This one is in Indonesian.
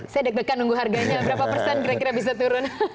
saya deg degan nunggu harganya berapa persen kira kira bisa turun